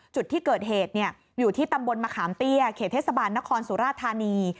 จุดที่เกิดเหตุอยู่ที่ตำบลมะขามเตี้ยเขตเทศบาลนครสุราธานี